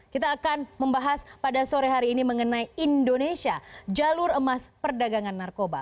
kita akan membahas pada sore hari ini mengenai indonesia jalur emas perdagangan narkoba